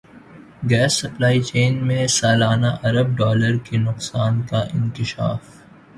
gas supply chain میں سالانہ ارب ڈالر کے نقصان کا انکشاف